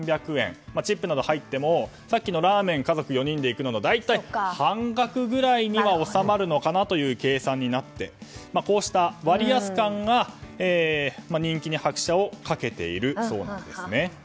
チップなどが入ってもさっきのラーメン家族４人で行くのと大体、半額くらいには収まるのかなという計算になってこうした割安感が人気に拍車をかけていそうなんです。